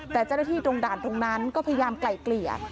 แต่เจ้าหน้าที่ตรงด่านตรงนั้นก็พยายามไกล่เกลี่ย